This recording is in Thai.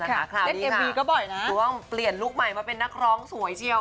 ซึ่งที่ต้องเปลี่ยนรุกใหม่มาเป็นนักร้องสวยเชียว